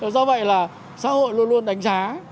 do vậy là xã hội luôn luôn đánh giá